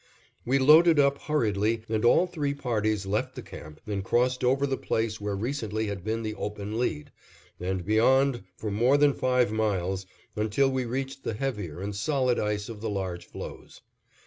We loaded up hurriedly and all three parties left the camp and crossed over the place where recently had been the open lead, and beyond for more than five miles, until we reached the heavier and solid ice of the large floes.